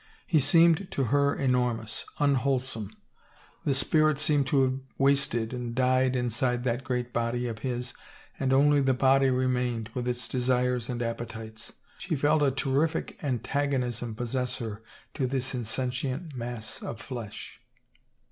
He seemed to her enormous, unwholesome. The spirit seemed to have wasted and died inside that great body of his and only the body remained, with its desires and appetites. She felt a terrific antagonism possess her to this insentient mass of flesh.